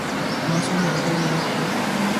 我信有報應嘅